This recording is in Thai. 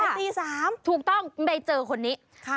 ตายตี๓ค่ะถูกต้องไม่เจอคนนี้